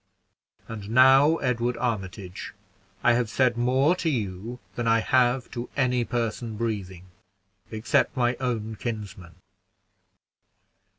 And now, Edward Armitage, I have said more to you than I have to any person breathing, except my own kinsman."